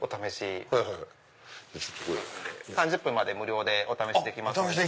３０分まで無料でお試しできますので。